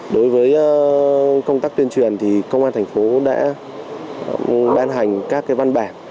đối với công tác tuyên truyền thì công an thành phố đã ban hành các văn bản